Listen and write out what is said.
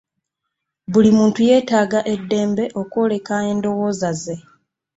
Buli muntu yetaaga e ddembe okwoleka endowooza ze.